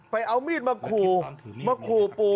เอามีดมาขู่มาขู่ปู่